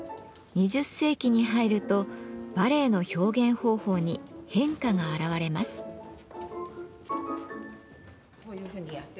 ２０世紀に入るとバレエの表現方法に変化が現れます。